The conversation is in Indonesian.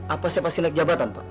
apa saya pasti naik jabatan pak